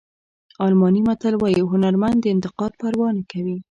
الماني متل وایي هنرمند د انتقاد پروا نه کوي.